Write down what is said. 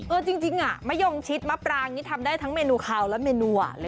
จริงมะยงชิดมะปรางนี่ทำได้ทั้งเมนูคาวและเมนูหวานเลย